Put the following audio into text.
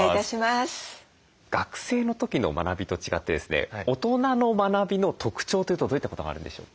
学生の時の学びと違ってですね大人の学びの特徴というとどういったことがあるんでしょう？